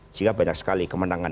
sehingga banyak sekali kemenangan